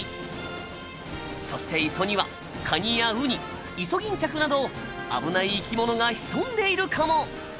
そして磯にはカニやウニイソギンチャクなど危ない生き物が潜んでいるかも。